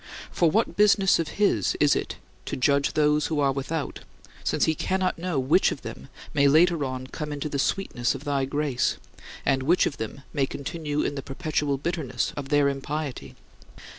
For what business of his is it to judge those who are without, since he cannot know which of them may later on come into the sweetness of thy grace, and which of them may continue in the perpetual bitterness of their impiety?